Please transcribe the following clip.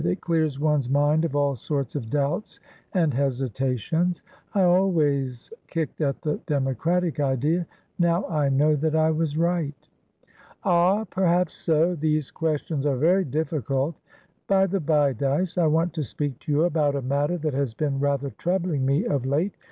It clears one's mind of all sorts of doubts and hesitations. I always kicked at the democratic idea; now I know that I was right." "Ah! Perhaps so. These questions are very difficultBy the bye, Dyce, I want to speak to you about a matter that has been rather troubling me of late.